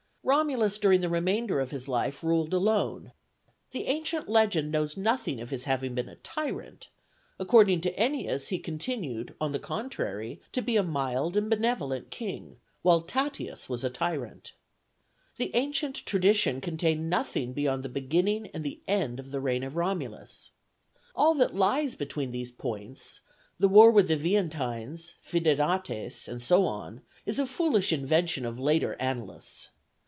Romulus during the remainder of his life ruled alone; the ancient legend knows nothing of his having been a tyrant: according to Ennius he continued, on the contrary, to be a mild and benevolent king, while Tatius was a tyrant. The ancient tradition contained nothing beyond the beginning and the end of the reign of Romulus; all that lies between these points, the war with the Veientines, Fidenates, and so on, is a foolish invention of later annalists.